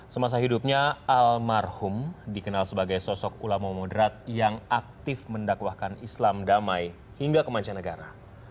semasa hidupnya al marhum dikenal sebagai sosok ulamo moderat yang aktif mendakwahkan islam damai hingga kemancah negara